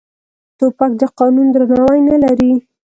توپک د قانون درناوی نه لري.